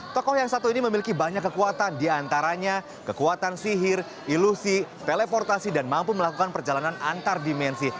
tokoh yang satu ini memiliki banyak kekuatan diantaranya kekuatan sihir ilusi teleportasi dan mampu melakukan perjalanan antar dimensi